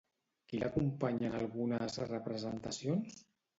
Qui l'acompanya en algunes representacions?